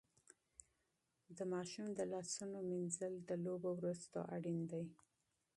د ماشوم د لاسونو مينځل د لوبو وروسته مهم دي.